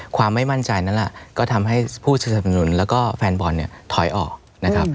ความไม่มั่นใจนั้นก็ทำให้ผู้สนุนและแฟนบอลถอยออก